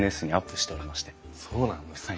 そうなんですか。